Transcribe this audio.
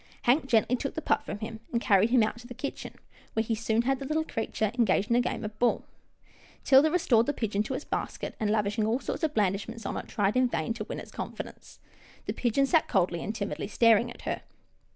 Hank gently took the pup from him, and carried him out to the kitchen, where he soon had the little creature engaged in a game of ball. 'Tilda Jane restored the pigeon to its basket, and, lavishing all sorts of blandishments on it, tried in vain to win its confidence. The pigeon sat coldly and timidly staring at her.